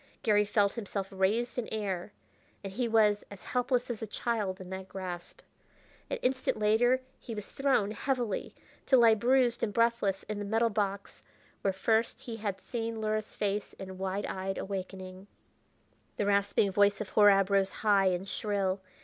Garry felt himself raised in air, and he was as helpless as a child in that grasp. An instant later he was thrown heavily, to lie bruised and breathless in the metal box where first he had seen Luhra's face in wide eyed awakening. The rasping voice of Horab rose high and shrill.